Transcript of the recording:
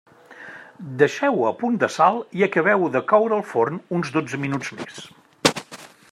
Deixeu-ho a punt de sal i acabeu-ho de coure al forn uns dotze minuts més.